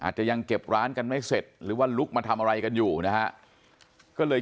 จังหวะนั้นได้ยินเสียงปืนรัวขึ้นหลายนัดเลย